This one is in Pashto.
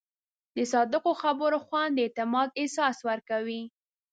د صادقو خبرو خوند د اعتماد احساس ورکوي.